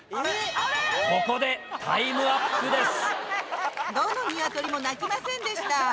ここでタイムアップです。